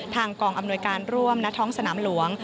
ทางกองอำนวยการร่วมและท้องสนามหลวง